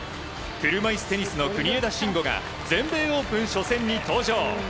車いすテニスの国枝慎吾選手が全米オープン初戦に登場。